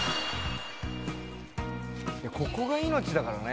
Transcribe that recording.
ここが命だからね。